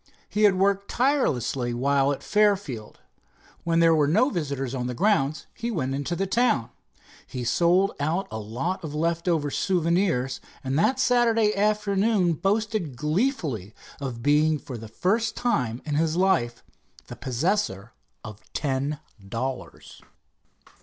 He had worked tirelessly while at Fairfield. When there were no visitors to the grounds, he went into the town. He sold out a lot of leftover souvenirs, and that Saturday afternoon boasted gleefully of being for the first time in his life the possessor of ten dollars.